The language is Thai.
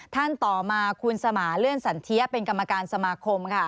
ท่านต่อมาคุณสมาเลื่อนสันเทียเป็นกรรมการสมาคมค่ะ